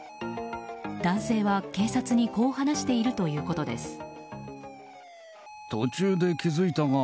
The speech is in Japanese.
男性は、警察にこう話しているということです。